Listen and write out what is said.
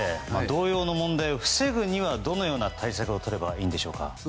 同様の問題を防ぐにはどのような対策をとればいいんでしょうか。